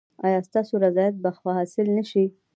ایا ستاسو رضایت به حاصل نه شي؟